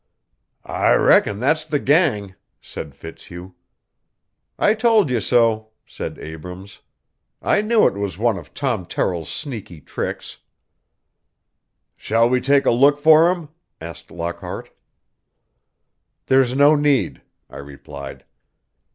"I reckon that's the gang," said Fitzhugh. "I told you so," said Abrams. "I knew it was one of Tom Terrill's sneaky tricks." "Shall we take a look for 'em?" asked Lockhart. "There's no need," I replied.